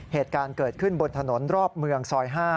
เหตุการณ์เกิดขึ้นบนถนนรอบเมืองซอย๕